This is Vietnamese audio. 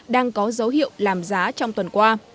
đang có dấu hiệu làm giá trong tuần qua